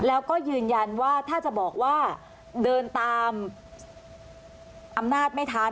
แล้วก็ยืนยันว่าถ้าจะบอกว่าเดินตามอำนาจไม่ทัน